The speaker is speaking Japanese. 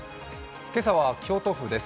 今朝は京都府です。